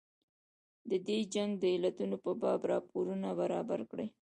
د دې جنګ د علتونو په باب راپورونه برابر کړي.